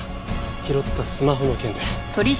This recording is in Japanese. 拾ったスマホの件で。